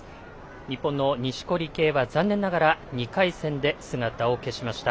日本の錦織圭は残念ながら２回戦で姿を消しました。